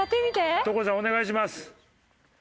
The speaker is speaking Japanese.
お願いします。